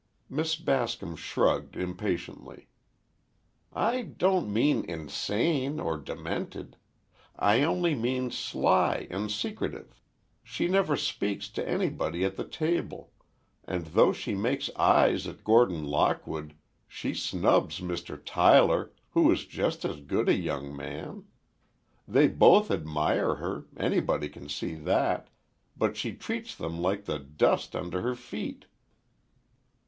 Miss Bascom shrugged impatiently. "I don't mean insane or demented. I only mean sly and secretive. She never speaks to anybody at the table—and though she makes eyes at Gordon Lockwood, she snubs Mr. Tyler, who is just as good a young man. They both admire her—anybody can see that, but she treats them like the dust under her feet."